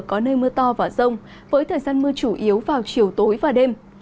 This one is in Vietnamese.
có nơi mưa to và rông với thời gian mưa chủ yếu vào chiều tối và đêm